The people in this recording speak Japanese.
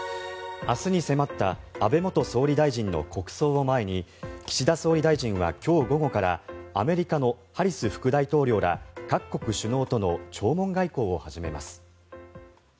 明日に迫った安倍元総理大臣の国葬を前に岸田総理大臣は今日午後からアメリカのハリス副大統領ら各国首脳との弔問外交を始めます。